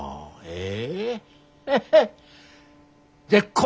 ええ。